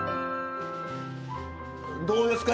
どうですか？